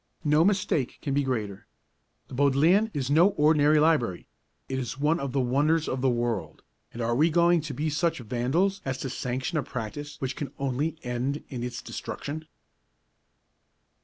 No mistake can be greater. The Bodleian is no ordinary library; it is one of the wonders of the world, and are we going to be such Vandals as to sanction a practice which can only end in its destruction?